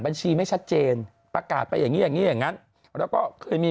บัญชีไม่ชัดเจนประกาศไปอย่างเงี้ยอย่างงั้นแล้วก็คือมี